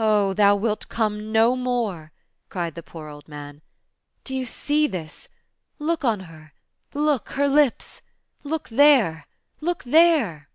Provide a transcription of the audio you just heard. "Oh, thou wilt come no more," cried the poor old man. "Do you see this? Look on her — look, her lips. Look there, look there."